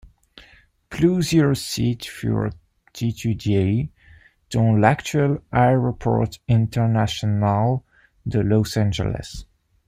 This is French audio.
Plusieurs sites furent étudiés dont l'actuel aéroport international de Los Angeles.